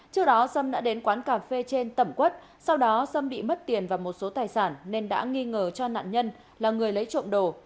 trước đó xâm đã đến quán cà phê trên tẩm quất sau đó xâm bị mất tiền và một số tài sản nên đã nghi ngờ cho nạn nhân là người lấy trộm đồ